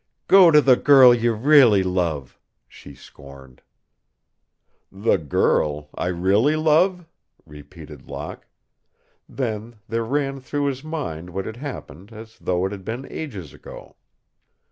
"Go to the girl you really love," she scorned. "The girl I really love?" repeated Locke; then there ran through his mind what had happened, as though it had been ages ago.